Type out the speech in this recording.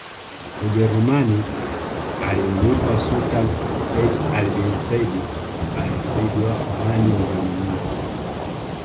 Ujerumani alimlipa Sultan Sayyid Ali bin Said al Said wa Oman milioni nne